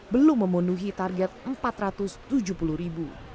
belum memenuhi target empat ratus tujuh puluh ribu